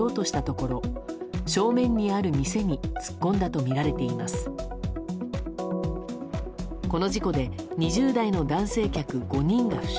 この事故で２０代の男性客５人が負傷。